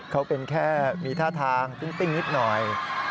เขาเป็นแค่มีท่าทางติ้งนิดหน่อย